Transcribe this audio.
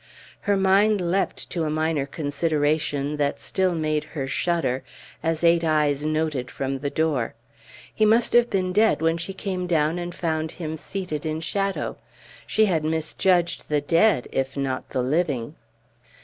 Her mind leapt to a minor consideration, that still made her shudder, as eight eyes noted from the door; he must have been dead when she came down and found him seated in shadow; she had misjudged the dead, if not the living.